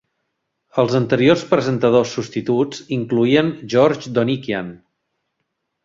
Els anteriors presentadors substituts incloïen George Donikian.